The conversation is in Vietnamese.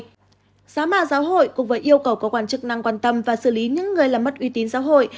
giáo mà giáo hội cùng với yêu cầu của quan chức năng quan tâm và xử lý những người làm mất uy tín giáo hội